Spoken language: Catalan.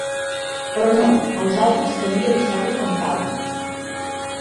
Però no, als altres calia deixar-los en pau.